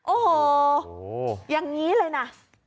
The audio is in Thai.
โอ้โหอย่างนี้เลยนะ